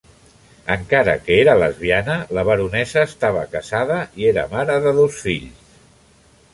Encara que era lesbiana, la baronessa estava casada i era mare de dos fills.